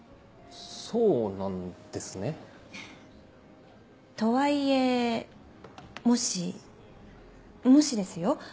そうなんですね。とは言えもしもしですよ？